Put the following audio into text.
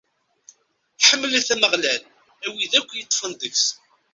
Ḥemmlet Ameɣlal, a wid akk yeṭṭfen deg-s!